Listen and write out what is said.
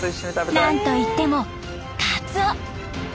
なんといってもカツオ。